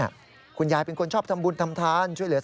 เอากลับไปทำบุญไปเรื่อยนะ